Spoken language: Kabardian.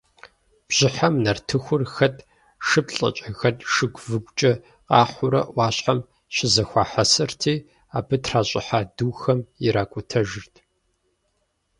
Бжьыхьэм нартыхур, хэт шыплӏэкӏэ, хэт шыгу-выгукӏэ къахьурэ ӏуащхьэм щызэхуахьэсырти, абы тращӏыхьа духэм иракӏутэжырт.